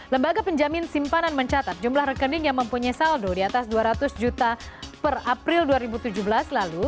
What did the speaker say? lembaga penjamin simpanan mencatat jumlah rekening yang mempunyai saldo di atas dua ratus juta per april dua ribu tujuh belas lalu